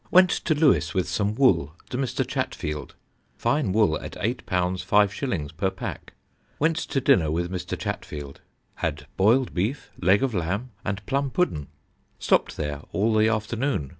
Went to Lewes with some wool to Mr. Chatfield, fine wool at 8 5 0 per pack. Went to dinner with Mr. Chatfield. Had boiled Beef, Leg of Lamb and plum Pudden. Stopped there all the afternoon.